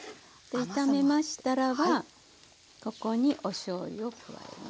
炒めましたらばここにおしょうゆを加えます。